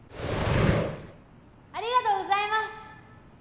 ありがとうございます。